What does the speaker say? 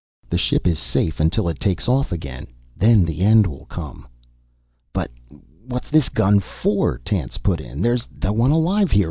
The ship is safe until it takes off again, then the end will come." "But what's this gun for?" Tance put in. "There's no one alive here.